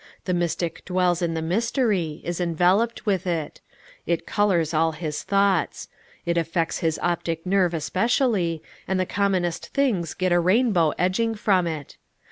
The Mystic dwells in the mystery, is enveloped with it; it colors all his thoughts; it affects his optic nerve especially, and the commonest things get a rainbow edging from it.